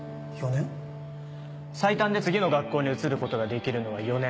最短で次の学校に移ることができるのは４年。